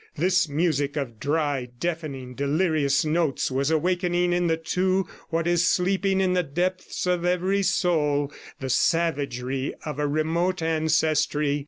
This music of dry, deafening, delirious notes was awakening in the two what is sleeping in the depths of every soul the savagery of a remote ancestry.